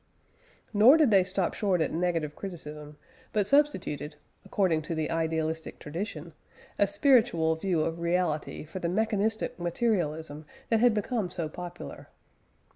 Nor did they stop short at negative criticism, but substituted (according to the idealistic tradition) a spiritual view of reality for the mechanistic materialism that had become so popular.